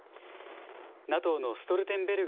ＮＡＴＯのストルテンベルグ